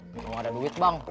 kalo ada duit bang